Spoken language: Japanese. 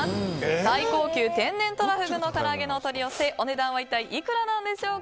最高級天然とらふぐ唐揚げのお取り寄せお値段は一体いくらなんでしょうか。